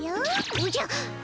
おじゃ。